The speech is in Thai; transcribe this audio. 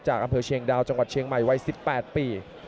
จากกำเทอร์เชียงดาวจังหวัดเชียงใหม่ไว้๑๘ปี